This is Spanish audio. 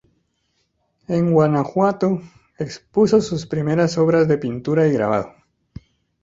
En Guanajuato expuso sus primeras obras de pintura y grabado.